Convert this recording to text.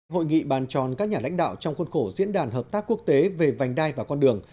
hội nghị bàn tròn các nhà lãnh đạo trong khuôn khổ diễn đàn hợp tác quốc tế về vành đai và con đường